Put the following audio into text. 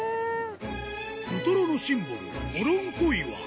ウトロのシンボル、オロンコ岩。